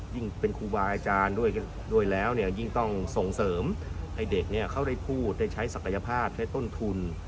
ยิ่งเป็นครูบาอาจารย์ด้วยแล้วยิ่งต้องส่งเสริมให้เด็กเขาได้พูดได้ใช้ศักยภาพและต้นทุน